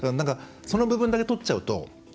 その部分だけとっちゃうと。